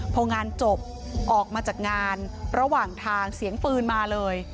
พองานจบออกมาจากงานระหว่างทางเสียงปืนมาเลย